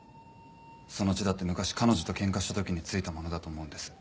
その血だって昔彼女とケンカした時についたものだと思うんです。